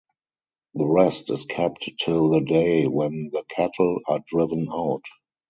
The rest is kept till the day when the cattle are driven out.